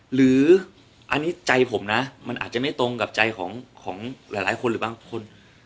หรืออันนี้ใจผมนะมันอาจจะไม่ตรงกับใจของหลายคนหรือบางคน